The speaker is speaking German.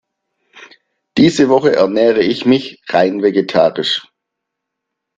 Diese Woche ernähre ich mich rein vegetarisch.